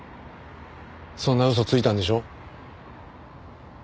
そんな嘘ついたんでしょ？